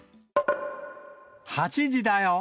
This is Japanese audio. ８時だよ！！